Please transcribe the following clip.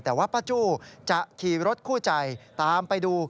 แต่ว่าป้าจู้จะขี่รถคู่ใจตามไปดู